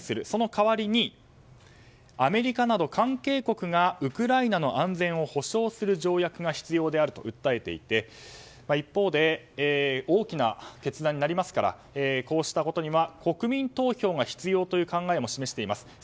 その代わりにアメリカなど関係国がウクライナの安全を保障する条約が必要であると訴えていて一方で大きな決断になりますからこうしたことには国民投票が必要という考えも示しています。